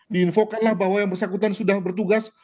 diinfokanlah bahwa yang bersangkutan sudah bertugas